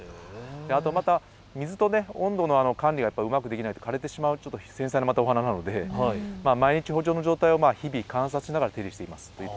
また水と温度の管理がうまくできないと枯れてしまう繊細なお花なので毎日圃場の状態を観察しながら手入れしてます。